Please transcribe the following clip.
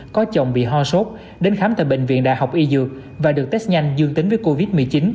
có chồng bị ho sốt đến khám tại bệnh viện đại học y dược và được test nhanh dương tính với covid một mươi chín